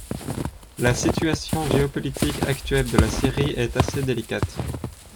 La situation géopolitique actuelle de la Syrie est assez délicate.